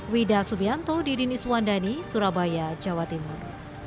wida subianto di dinis wandani surabaya jawa timur